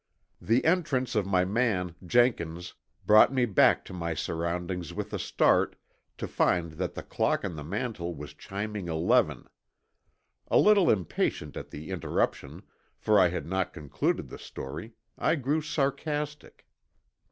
The entrance of my man, Jenkins, brought me back to my surroundings with a start to find that the clock on the mantel was chiming eleven. A little impatient at the interruption for I had not concluded the story, I grew sarcastic.